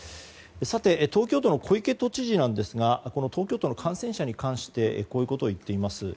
東京都の小池都知事なんですが東京都の感染者に対してこういうことを言っています。